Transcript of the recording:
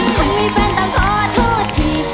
ถ้ามีแฟนต้องขอโทษที